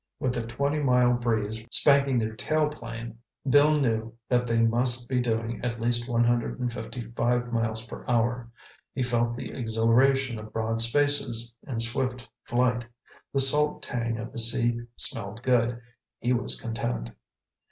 With a twenty mile breeze spanking their tailplane, Bill knew that they must be doing at least one hundred and fifty five M.P.H. He felt the exhilaration of broad spaces and swift flight. The salt tang of the sea smelled good. He was content.